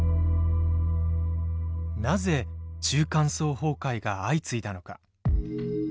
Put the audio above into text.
なぜ中間層崩壊が相次いだのか。